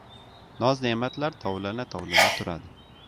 Noz-ne’matlar tovlana-tovlana turadi.